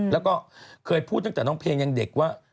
แล้วก็เคยพูดตั้งแต่น้องเพลงยังเด็กว่า